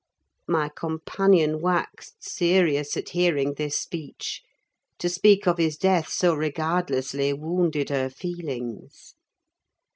My companion waxed serious at hearing this speech. To speak of his death so regardlessly wounded her feelings.